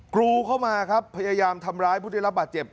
กรูเข้ามาครับพยายามทำร้ายผู้ได้รับบาดเจ็บ